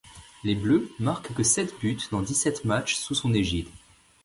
Les bleus marquent que sept buts dans dix-sept matches sous son égide.